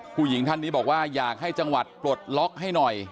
ผู้หญิงท่านนี้บอกว่าอยากให้จังหวัดปลดล็อกให้หน่อย